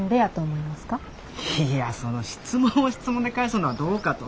いやその質問を質問で返すのはどうかと。